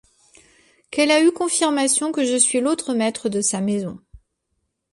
Qu'elle a eu confirmation que je suis l'autre maître de sa maison.